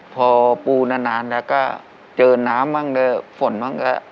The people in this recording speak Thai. พอปูนานแล้วก็เจอน้ำบ้างแล้วฝนบ้างแล้ว